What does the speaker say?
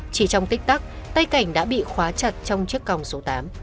chỉ trong tích tắc tay cảnh đã bị khóa chặt trong chiếc còng số tám